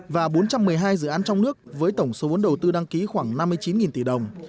và bốn trăm một mươi hai dự án trong nước với tổng số vốn đầu tư đăng ký khoảng năm mươi chín tỷ đồng